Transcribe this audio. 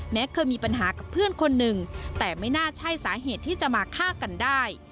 เคยมีปัญหากับเพื่อนคนหนึ่งแต่ไม่น่าใช่สาเหตุที่จะมาฆ่ากันได้